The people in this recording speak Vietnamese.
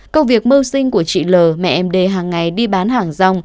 công việc mưu sinh của chị l mẹ em đê hàng ngày đi bán hàng rong